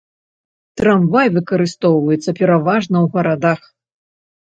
Трамвай выкарыстоўваецца пераважна ў гарадах.